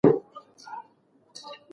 د یو بل عیب مه ښکاره کوئ.